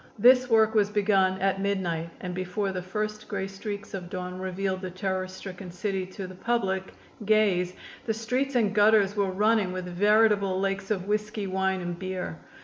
This work was begun at midnight and before the first gray streaks of dawn revealed the terror stricken city to the public gaze the streets and gutters were running with veritable lakes of whisky, wine and beer.